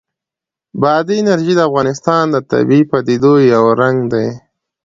بادي انرژي د افغانستان د طبیعي پدیدو یو رنګ دی.